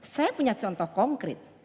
saya punya contoh konkret